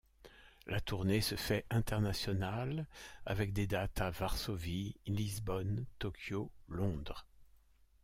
La tournée se fait internationale avec des dates à Varsovie, Lisbonne, Tokyo, Londres.